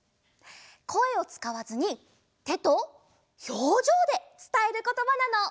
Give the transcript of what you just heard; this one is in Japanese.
こえをつかわずにてとひょうじょうでつたえることばなの。